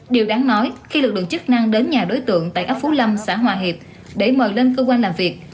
điều đáng nói khi lực lượng chức năng đến nhà đối tượng tại ấp phú lâm xã hòa hiệp để mời lên cơ quan làm việc